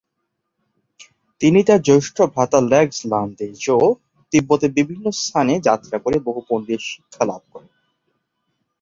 তিনি তার জ্যৈষ্ঠ ভ্রাতা লেগ্স-ল্দান-র্দো-র্জে তিব্বতের বিভিন্ন স্থানে যাত্রা করে বহু পন্ডিতের নিকট শিক্ষালাভ করেন।